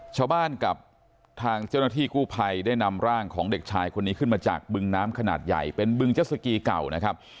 ชาวบ้านกับทางเจ้าหน้าที่กู้ภัยได้นำร่างของเด็กชายคนนี้ขึ้นมาจากบึงน้ำขนาดใหญ่เป็นบึงเจ็ดสกีเก่านะครับ